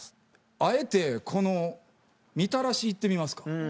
あえてこのみたらし行ってみますか。